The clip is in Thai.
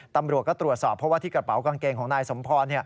ตำรวจก็ตรวจสอบเพราะว่าที่กระเป๋ากางเกงของนายสมพร